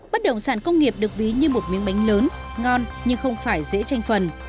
bất động sản công nghiệp được ví như một miếng bánh lớn ngon nhưng không phải dễ tranh phần